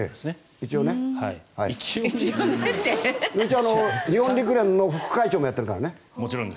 一応、日本陸連の副会長もやってるからね。